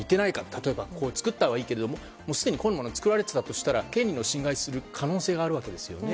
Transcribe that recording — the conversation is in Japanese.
例えば作ったはいいけれどもすでにこういうものが作られていたとしたら権利を侵害する可能性があるわけですよね。